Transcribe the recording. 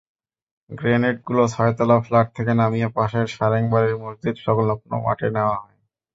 গ্রেনেডগুলো ছয়তলা ফ্ল্যাট থেকে নামিয়ে পাশের সারেং বাড়ির মসজিদ-সংলগ্ন মাঠে নেওয়া হয়।